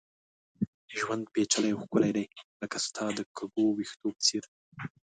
ژوند پېچلی او ښکلی دی ، لکه ستا د کږو ويښتو په څېر